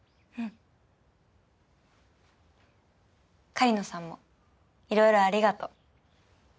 狩野さんもいろいろありがとう。